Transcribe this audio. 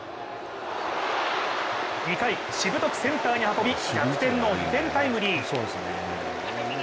２回、しぶとくセンターに運び逆転の２点タイムリー。